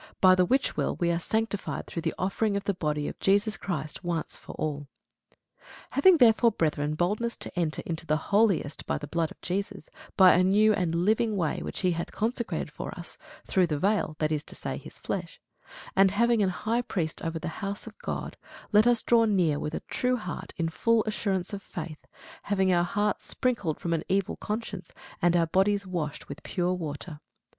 By the which will we are sanctified through the offering of the body of Jesus Christ once for all. [Sidenote: Hebrews 11] Having therefore, brethren, boldness to enter into the holiest by the blood of Jesus, by a new and living way, which he hath consecrated for us, through the veil, that is to say, his flesh; and having an high priest over the house of God; let us draw near with a true heart in full assurance of faith, having our hearts sprinkled from an evil conscience, and our bodies washed with pure water.